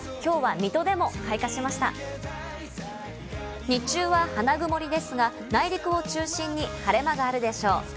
日中は花曇りですが、内陸を中心に晴れ間があるでしょう。